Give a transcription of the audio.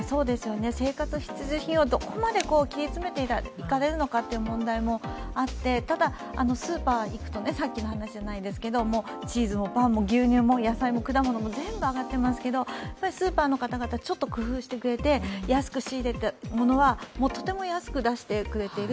生活必需品をどこまで切り詰めていかれるのかという問題もあってただ、スーパーに行くと、チーズもパンも牛乳も野菜も果物も全部上がってますけど、スーパーの方々、ちょっと工夫してくれて安く仕入れたものはとても安く出してくれている。